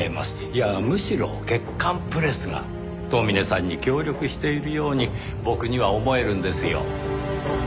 いやむしろ『月刊プレス』が遠峰さんに協力しているように僕には思えるんですよ。